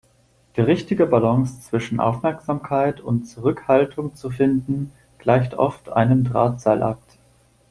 Die richtige Balance zwischen Aufmerksamkeit und Zurückhaltung zu finden, gleicht oft einem Drahtseilakt.